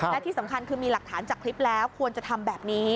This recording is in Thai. และที่สำคัญคือมีหลักฐานจากคลิปแล้วควรจะทำแบบนี้